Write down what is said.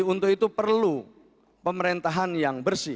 untuk itu perlu pemerintahan yang bersih